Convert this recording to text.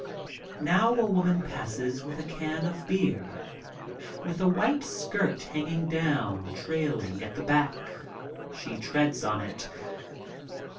Now a woman passes with a can of beer. With a white skirt hanging down, trailing at the back. She treads on it.